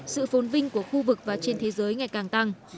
sự phôn vinh của khu vực và trên thế giới ngày càng tăng